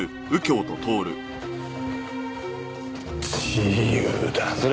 自由だな。